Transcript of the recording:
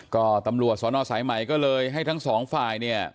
ก็ตำรวจสอนอสายใหม่ก็เลยให้ทั้งสองฝ่ายเนี่ย